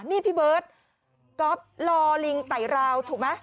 นี่พี่เบิร์ตก๊อฟรอลิงไต่ราวถูกไหม